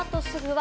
は